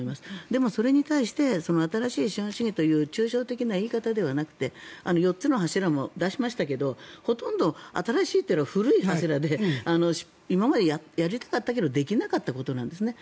でも、それに対して新しい資本主義という抽象的な言い方ではなくて４つの柱も出しましたけどほとんど新しいというか古い柱で今までやりたかったけどできなかったことなんですね。